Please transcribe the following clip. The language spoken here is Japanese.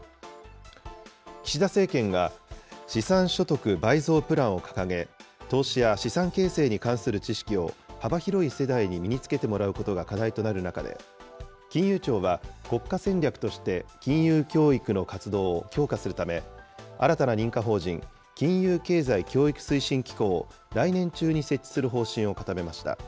岸田政権が資産所得倍増プランを掲げ、投資や資産形成に関する知識を幅広い世代に身に着けてもらうことが課題となる中で、金融庁は国家戦略として金融教育の活動を強化するため、新たな認可法人金融経済教育推進機構を来年中に設置する方針を固めました。